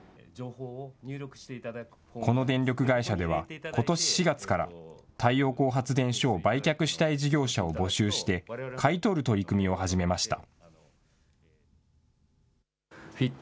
この電力会社では、ことし４月から、太陽光発電所を売却したい事業者を募集して、買い取る取り組みを始めました。